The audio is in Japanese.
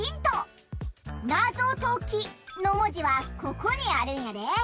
「ナゾトキ」のもじはここにあるんやで！